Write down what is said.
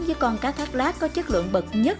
với con cá thác lát có chất lượng bậc nhất